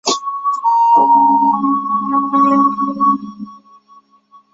他早期曾效力列斯联和奥咸。